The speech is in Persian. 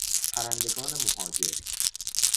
پرندگان مهاجر